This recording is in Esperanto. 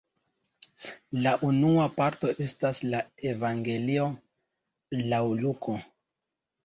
La unua parto estas la evangelio laŭ Luko.